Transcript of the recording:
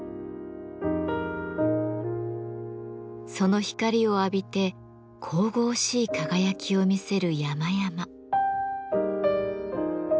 その光を浴びて神々しい輝きを見せる山々。